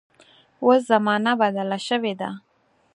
اوس زمانه بدله شوې ده.